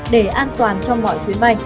để an toàn cho mọi chuyến bay